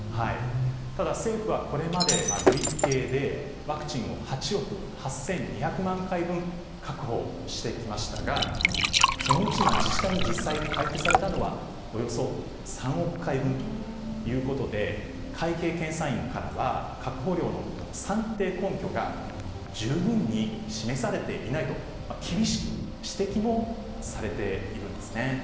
ただ政府はこれまで、累計でワクチンを８億８２００万回分確保してきましたが、そのうち自治体に実際配布されたのはおよそ３億回分ということで、会計検査院からは、確保量の算定根拠が十分に示されていないと、厳しく指摘もされているんですね。